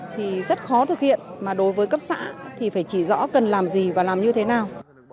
thì rất khó thực hiện mà đối với cấp xã thì phải chỉ rõ cần làm gì và làm như thế nào